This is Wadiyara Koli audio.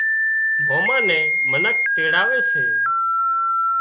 ماما نين منک تيڙوا آوي سي